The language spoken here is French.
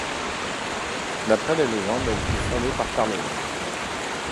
D'après la légende elle fut fondée par Charlemagne.